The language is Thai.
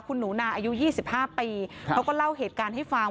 คุณหนูนาอายุ๒๕ปีเขาก็เล่าเหตุการณ์ให้ฟัง